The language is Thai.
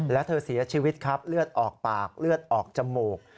และเธอเสียชีวิตครับเลือดออกปากเลือดออกจมูก